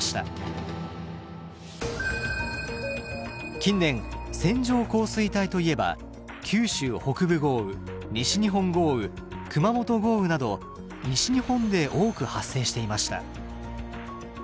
近年線状降水帯といえば九州北部豪雨西日本豪雨熊本豪雨など西日本で多く発生していました。